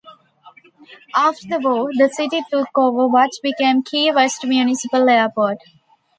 After the war, the city took over what became Key West Municipal Airport.